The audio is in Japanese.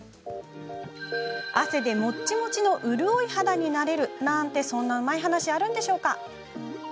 汗で、もちもちの潤い肌になるなんて、そんなうまい話があるんでしょうか？